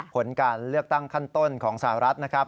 ผลการเลือกตั้งขั้นต้นของสหรัฐนะครับ